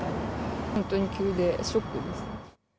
本当に急でショックです。